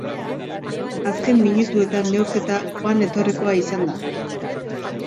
Azken minutuetan, neurketa joan-etorrikoa izan da.